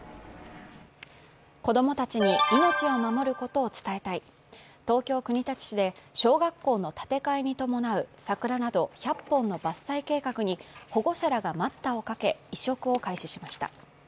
子供たちに命を守ることを伝えたい、東京・国立市で小学校の立て替えに伴う桜など１００本の伐採計画に保護者らが待ったをかけ、移植を開始しました。